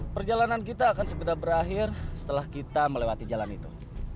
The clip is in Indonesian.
perjalanan kita akan segera berakhir setelah kita melewati jalan itu